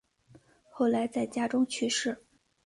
后来在家中去世。